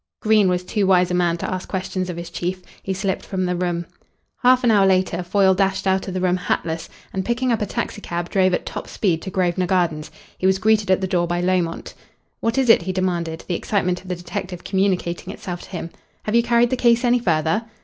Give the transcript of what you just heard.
Green was too wise a man to ask questions of his chief. He slipped from the room. Half an hour later Foyle dashed out of the room hatless, and, picking up a taxicab, drove at top speed to Grosvenor Gardens. He was greeted at the door by Lomont. "What is it?" he demanded, the excitement of the detective communicating itself to him. "Have you carried the case any further?"